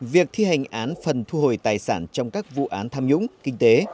việc thi hành án phần thu hồi tài sản trong các vụ án tham nhũng kinh tế